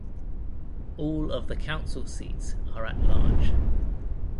All of the council seats are at-large.